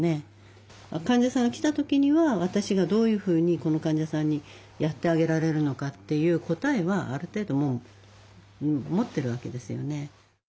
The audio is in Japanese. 患者さんが来た時には私がどういうふうにこの患者さんにやってあげられるのかという答えはある程度もう持ってるわけですよね。